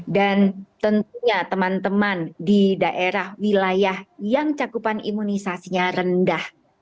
dan tentunya teman teman di daerah wilayah yang cakupan imunisasinya rendah